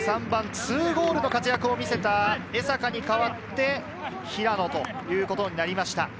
３３番、２ゴールの活躍を見せた江坂に代わって、平野ということになりました。